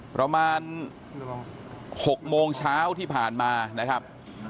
ประมาณ๖โมงเช้าที่ผ่านมานะครับ